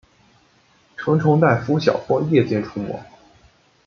成虫在拂晓或夜间出没。